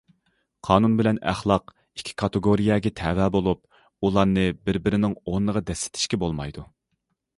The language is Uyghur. قانۇن بىلەن ئەخلاق ئىككى كاتېگورىيەگە تەۋە بولۇپ، ئۇلارنى بىر بىرىنىڭ ئورنىغا دەسسىتىشكە بولمايدۇ.